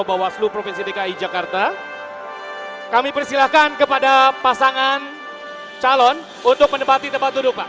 bawaslu provinsi dki jakarta kami persilahkan kepada pasangan calon untuk menempati tempat duduk pak